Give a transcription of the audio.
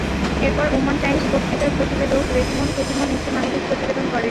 এরপর Oman Times পত্রিকার প্রতিবেদক রেজিমন খেতিমন একটি মানবিক প্রতিবেদন করেন।